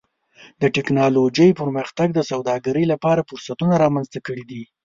د ټکنالوجۍ پرمختګ د سوداګرۍ لپاره فرصتونه رامنځته کړي دي.